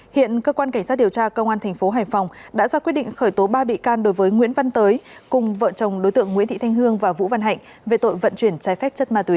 hiện cơ quan cảnh sát điều tra công an tp hải phòng đã ra quyết định khởi tố ba bị can đối với nguyễn văn tới cùng vợ chồng đối tượng nguyễn thị thanh hương và vũ văn hạnh về tội vận chuyển trái phép chất ma túy